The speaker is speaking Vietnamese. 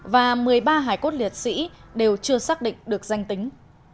và một mươi ba hải cốt liệt sĩ đều chưa xác định được danh tính